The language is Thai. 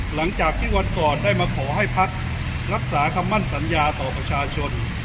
หลังจากที่วันก่อนได้มาขอให้พักรักษาคำมั่นสัญญาต่อประชาชน